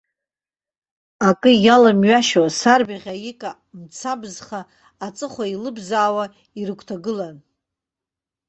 Акы иаламҩашьо, сарбаӷь аика мцабзха аҵыхәа еилыбзаауа ирыгәҭылагылан.